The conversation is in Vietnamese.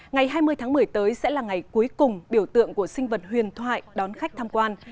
ngày hai mươi tháng một mươi tới sẽ là ngày cuối cùng biểu tượng của sinh vật huyền thoại đón khách tham quan